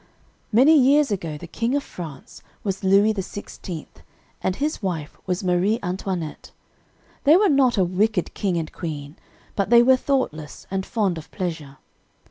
"Many years ago the king of France was Louis XVI, and his wife was Marie Antoinette. They were not a wicked king and queen, but they were thoughtless and fond of pleasure.